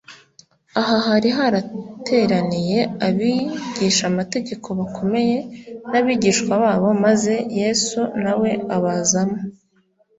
. Aha hari hateraniye abigishamategeko bakomeye n’abigishwa babo, maze Yesu na We abazamo